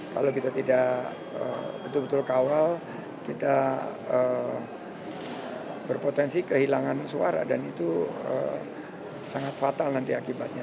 kalau kita tidak betul betul kawal kita berpotensi kehilangan suara dan itu sangat fatal nanti akibatnya